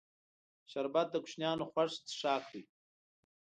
شربت د کوشنیانو خوښ څښاک دی